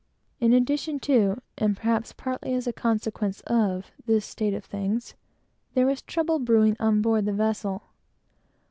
In addition to, and perhaps partly as a consequence of, this state of things, there was trouble brewing on board the vessel.